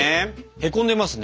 へこんでますね。